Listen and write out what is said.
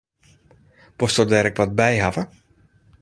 Wolsto der ek wat by hawwe?